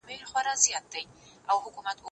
زه اوږده وخت د کتابتون د کار مرسته کوم،